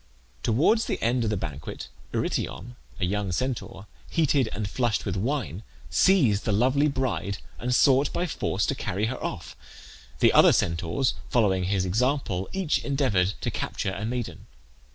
Towards the end of the banquet Eurytion, a young Centaur, heated and flushed with wine, seized the lovely bride and sought by force to carry her off. The other Centaurs, following his example, each endeavoured to capture a maiden.